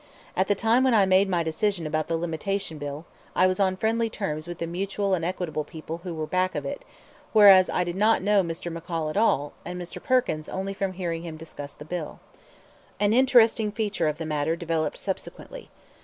At the time when I made my decision about the Limitation Bill, I was on friendly terms with the Mutual and Equitable people who were back of it, whereas I did not know Mr. McCall at all, and Mr. Perkins only from hearing him discuss the bill. An interesting feature of the matter developed subsequently.